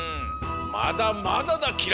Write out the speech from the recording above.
まだまだだ輝星。